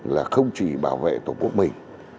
là không chỉ bảo vệ tổ quốc mình